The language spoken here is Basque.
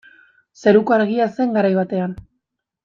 Zeruko Argia zen garai batean.